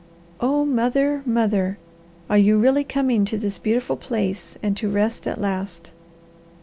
Oh mother, mother! Are you really coming to this beautiful place and to rest at last?"